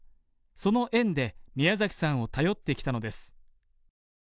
その縁でミヤザキさんを頼ってきたのです。